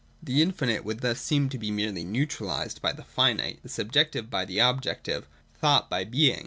The infinite would thus seem to be m&rely neutralised by the finite, the subjective by the objective, thought by being.